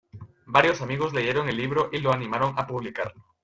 Varios amigos leyeron el libro y lo animaron a publicarlo.